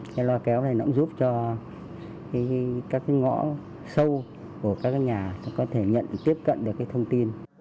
cái loa kéo này nó cũng giúp cho các cái ngõ sâu của các nhà có thể nhận tiếp cận được cái thông tin